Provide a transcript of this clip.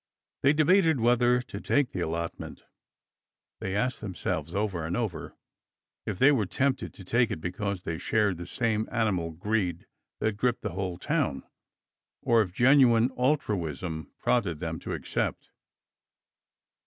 They debated whether to take the allotment. They asked themselves over and over if they were tempted to take it because they shared the same animal greed that gripped the whole town, or if genuine altruism prodded them to accept.